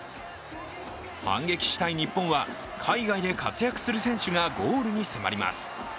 反撃したい日本は海外で活躍する選手がゴールに迫ります。